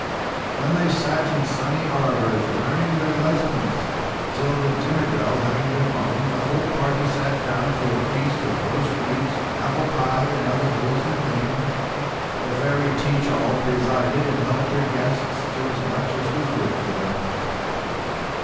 Then they sat in sunny arbours learning their lessons, till, the dinner bell having been rung, the whole party sat down to a feast of roast meat, apple pie, and other good wholesome things. The Fairy Teach All presided, and helped her guests to as much as was good for them.